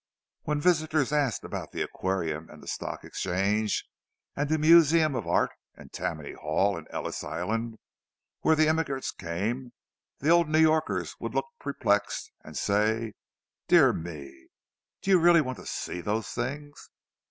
When visitors asked about the Aquarium, and the Stock Exchange, and the Museum of Art, and Tammany Hall, and Ellis Island, where the immigrants came, the old New Yorkers would look perplexed, and say: "Dear me, do you really want to see those things?